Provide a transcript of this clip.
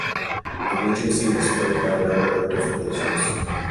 The regency was plagued by a number of difficulties.